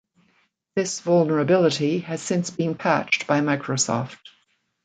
This vulnerability has since been patched by Microsoft.